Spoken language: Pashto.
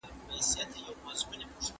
¬ د غله ځاى په غره کي نسته.